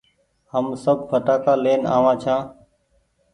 هم سب ڦٽآ ڪآ لين آ وآن ڇآن